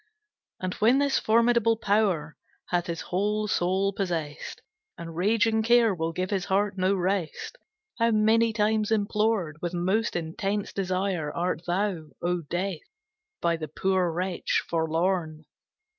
And when this formidable power Hath his whole soul possessed, And raging care will give his heart no rest, How many times implored With most intense desire, Art thou, O Death, by the poor wretch, forlorn!